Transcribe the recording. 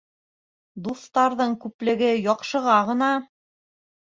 Дуҫтарҙың күплеге яҡшыға ғына.